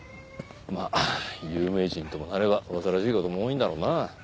まあ有名人ともなれば煩わしい事も多いんだろうな。